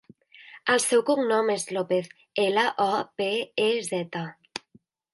El seu cognom és Lopez: ela, o, pe, e, zeta.